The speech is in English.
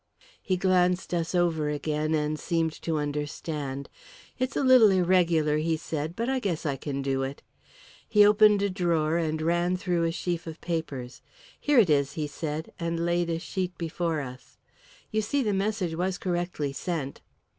He glanced us over again and seemed to understand. "It's a little irregular," he said; "but I guess I can do it." He opened a drawer, and ran through a sheaf of papers. "Here it is," he said, and laid a sheet before us. "You see the message was correctly sent."